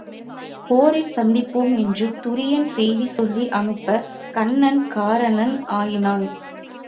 போரில் சந்திப்போம் என்று துரியன் செய்தி சொல்லி அனுப்பக் கன்னன் காரணன் ஆயினான்.